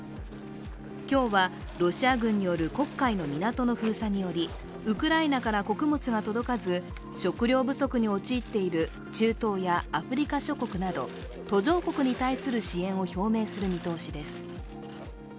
今日は、ロシア軍による黒海の港の封鎖によりウクライナから穀物が届かず、食料不足に陥っている中東やアフリカ諸国など途上国に対する支援を表明する見通しです。